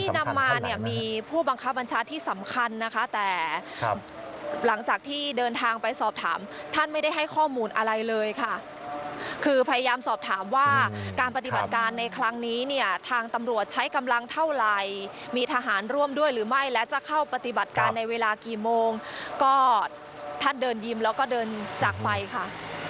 นำมาเนี่ยมีผู้บังคับบัญชาที่สำคัญนะคะแต่หลังจากที่เดินทางไปสอบถามท่านไม่ได้ให้ข้อมูลอะไรเลยค่ะคือพยายามสอบถามว่าการปฏิบัติการในครั้งนี้เนี่ยทางตำรวจใช้กำลังเท่าไหร่มีทหารร่วมด้วยหรือไม่และจะเข้าปฏิบัติการในเวลากี่โมงก็ท่านเดินยิ้มแล้วก็เดินจากไปค่ะ